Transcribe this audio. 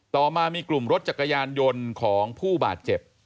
ต่อมามีกลุ่มรถจักรยานยนต์ของผู้บาดเจ็บ